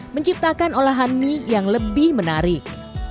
menciptakan olahan mie yang lebih menarik